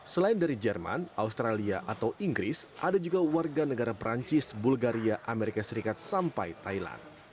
selain dari jerman australia atau inggris ada juga warga negara perancis bulgaria amerika serikat sampai thailand